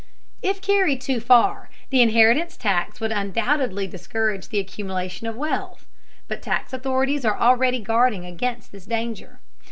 If carried too far the inheritance tax would undoubtedly discourage the accumulation of wealth, but tax authorities are already guarding against this danger.